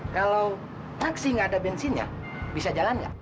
kalau taksi gak ada bensinnya bisa jalan nggak